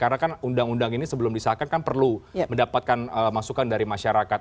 karena kan undang undang ini sebelum disahkan kan perlu mendapatkan masukan dari masyarakat